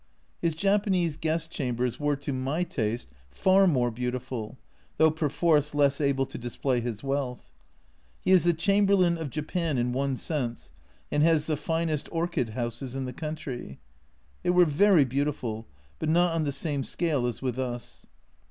His Japanese guest chambers were, to my taste, far more beautiful, though perforce less able to display his wealth. He is the Chamberlain of Japan in one sense, and has the finest orchid houses in the country. They were very beautiful, but not on the same scale as with us.